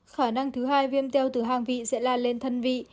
khả năng thứ hai viêm teo từ hang vị sẽ lan lên thân vị